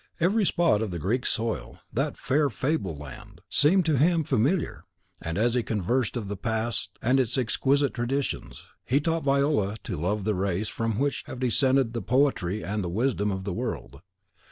Every spot of the Greek soil, "that fair Fable Land," seemed to him familiar; and as he conversed of the past and its exquisite traditions, he taught Viola to love the race from which have descended the poetry and the wisdom of the world.